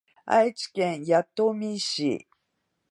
愛知県弥富市